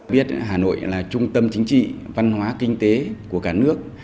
biết hà nội là trung tâm chính trị văn hóa kinh tế của cả nước